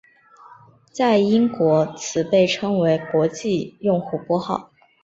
在英国此被称为国际用户拨号。